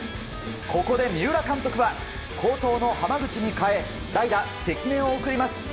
ここで三浦監督は好投の濱口に代え代打、関根を送ります。